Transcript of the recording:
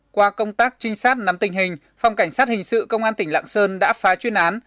qua công tác trinh sát nắm tình hình phòng cảnh sát hình sự công an tỉnh lạng sơn đã phá chuyên án